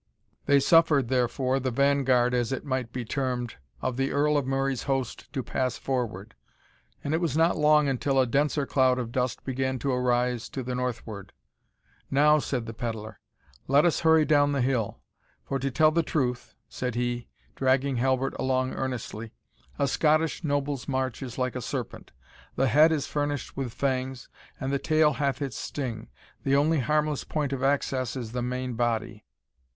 They suffered, therefore, the vanguard, as it might be termed, of the Earl of Murray's host to pass forward; and it was not long until a denser cloud of dust began to arise to the northward. "Now," said the pedlar, "let us hurry down the hill; for to tell the truth," said he, dragging Halbert along earnestly, "a Scottish noble's march is like a serpent the head is furnished with fangs, and the tail hath its sting; the only harmless point of access is the main body."